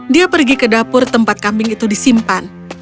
dia pergi ke dapur tempat kambing itu disimpan